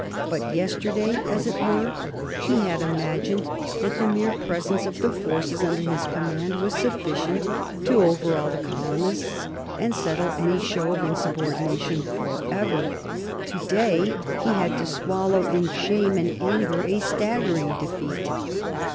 But yesterday, as it were, he had imagined that the mere presence of the forces under his command was sufficient to overawe the colonists and settle any show of insubordination forever; to day he had to swallow in shame and anger a staggering defeat.